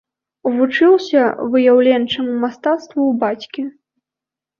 Вучыўся выяўленчаму мастацтву ў бацькі.